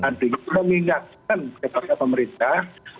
mengingatkan kepada pemerintah